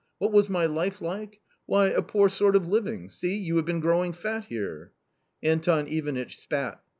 What was my life like ? Why, a poor sort of living. See, you have been growing fat here." Anton Ivanitch spat.